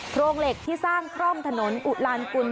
โรงเหล็กที่สร้างคร่อมถนนอุลานกุล